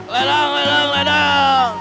ledang ledang ledang